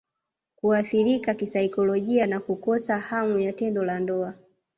Kuathirika kisaikolojia na Kukosa hamu ya tendo la ndoa